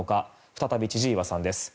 再び、千々岩さんです。